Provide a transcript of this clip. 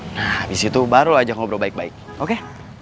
nah abis itu baru lo ajak ngobrol baik baik oke